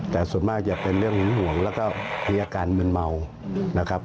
แต่ส่วนมากจะเป็นเรื่องหึงห่วงแล้วก็มีอาการมืนเมานะครับ